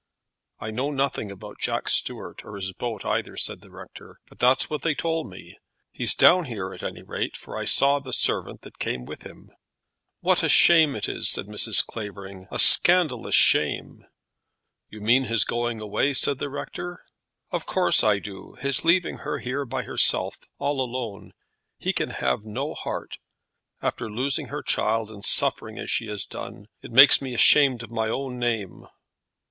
"I know nothing about Jack Stuart or his boat either," said the rector; "but that's what they told me. He's down here, at any rate, for I saw the servant that came with him." "What a shame it is," said Mrs. Clavering, "a scandalous shame." "You mean his going away?" said the rector. "Of course I do; his leaving her here by herself, all alone. He can have no heart; after losing her child and suffering as she has done. It makes me ashamed of my own name."